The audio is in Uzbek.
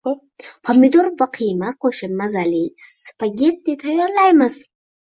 Pomidor va qiyma qo‘shib mazali spagetti tayyorlaymiz